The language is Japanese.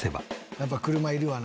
やっぱ車いるわな。